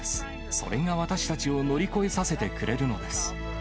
それが私たちを乗り越えさせてくれるのです。